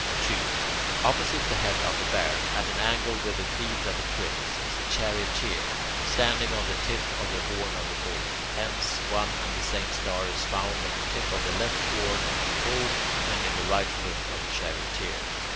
2. Opposite the head of the Bear, at an angle with the feet of the Twins, is the Charioteer, standing on the tip of the horn of the Bull; hence, one and the same star is found in the tip of the left horn of the Bull and in the right foot of the Charioteer.